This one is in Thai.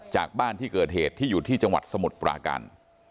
จากบ้านที่เกิดเหตุที่อยู่ที่จังหวัดสมุทรปราการ